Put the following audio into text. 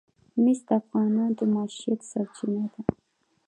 مس د افغانانو د معیشت سرچینه ده.